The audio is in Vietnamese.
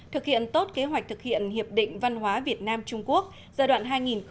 thực hiện tốt kế hoạch thực hiện hiệp định văn hóa việt nam trung quốc giai đoạn hai nghìn một mươi sáu hai nghìn một mươi tám